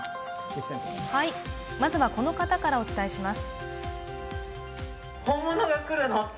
まずはこの方からお伝えします。